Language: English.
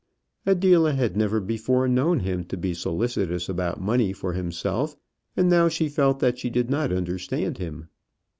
Adela had never before known him to be solicitous about money for himself, and now she felt that she did not understand him.